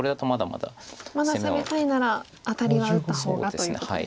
まだ攻めたいならアタリは打った方がということですね。